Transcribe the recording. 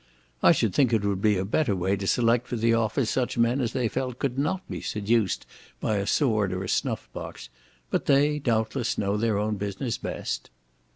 I should think it would be a better way to select for the office such men as they felt could not be seduced by a sword or a snuff box. But they, doubtless, know their own business best.